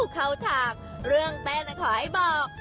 เข้าทางเรื่องเต้นขอให้บอก